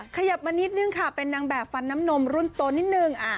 ขยับมานิดนึงค่ะเป็นนางแบบฟันน้ำนมรุ่นโตนิดนึง